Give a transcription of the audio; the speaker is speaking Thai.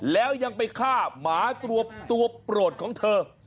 แล้วยังไปฆ่าหมาตัวโปรดของเธอ